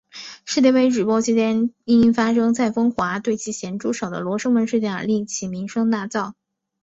世界杯直播期间因发生蔡枫华对其咸猪手的罗生门事件令其声名大噪。